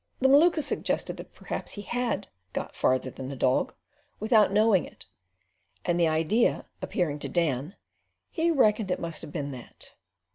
The Maluka suggested that perhaps he had "got farther than the dog" without knowing it, and the idea appearing to Dan, he "reckoned it must have been that."